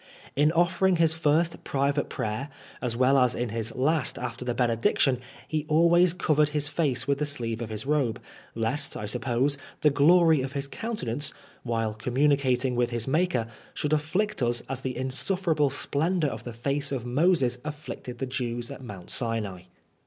In offering his first private prayer, as well as in his last after the benedic tion, he always covered his face with the sleeve of his robe, lest, I suppose, the glory of his countenance, while communicating wi^ his maker, should afflict us as the insufferable splendor of the face of Moses afflicted the Jews at Mount Sinai.